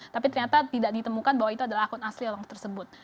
tapi ternyata tidak ditemukan bahwa itu adalah akun asli orang tersebut